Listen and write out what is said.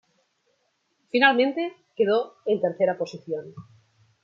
Finalmente, quedó en tercera posición.